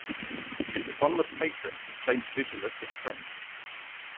Its eponymous patron is Saint Vigilius of Trent.